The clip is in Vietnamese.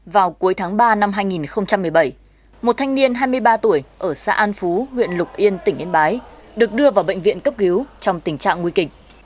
vào cuối tháng ba năm hai nghìn một mươi bảy một thanh niên hai mươi ba tuổi ở xã an phú huyện lục yên tỉnh yên bái được đưa vào bệnh viện cấp cứu trong tình trạng nguy kịch